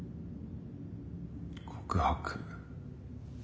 告白。